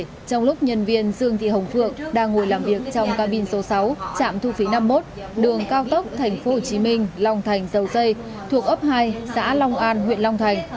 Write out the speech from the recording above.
trong lúc nhân viên dương thị hồng phượng đang ngồi làm việc trong cabin số sáu trạm thu phí năm mươi một đường cao tốc thành phố hồ chí minh long thành dầu dây thuộc ấp hai xã long an huyện long thành